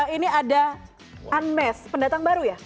ini ada unmes pendatang baru ya